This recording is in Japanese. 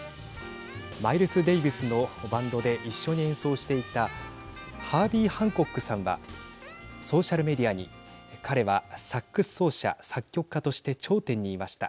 マイルス・デイビスのバンドで一緒に演奏していたハービー・ハンコックさんはソーシャルメディアに彼はサックス奏者作曲家として頂点にいました。